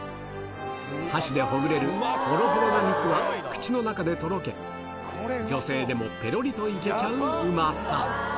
箸でほぐれるほろほろな肉は、口の中でとろけ、女性でもぺろりといけちゃううまさ。